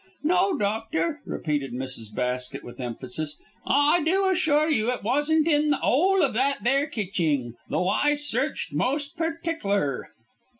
No, doctor," repeated Mrs. Basket, with emphasis, "I do assure you it wasn't in the 'ole of that there kitching, though I searched most perticler."